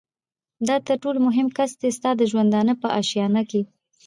دا تر ټولو مهم کس دی ستا د ژوند په آشیانه کي